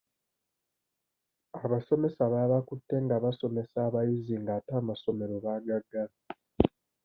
Abasomesa baabakutte nga basomesa abayizi ng'ate amasomero baagagala.